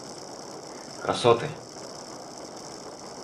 красоты